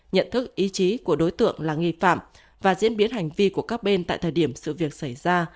nhận thức ý chí của đối tượng là nghi phạm và diễn biến hành vi của các bên tại thời điểm sự việc xảy ra